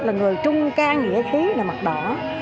là người trung can dĩa khí là mặt đỏ